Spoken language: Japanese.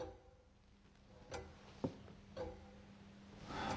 はあ。